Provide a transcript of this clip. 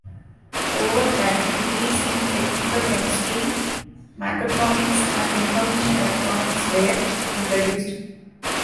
Over time, degrees in Technical Chemistry, Mechatronics and Information Electronics were introduced.